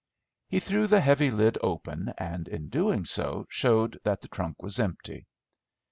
He threw the heavy lid open, and in doing so showed that the trunk was empty.